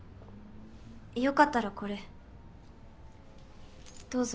良かったらこれどうぞ。